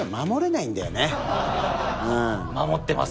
守ってます。